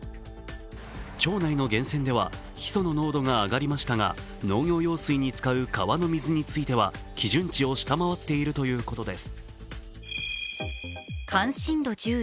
町内の源泉ではヒ素の濃度が上がりましたが農業用水に使う川の水については基準値を下回っているということです。